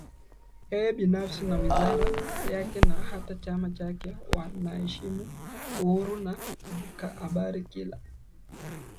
yeye binafsi na wizara yake na hata chama chake wanaheshimu Uhuru wa Habari kila